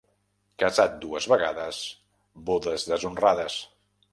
Casat dues vegades, bodes deshonrades.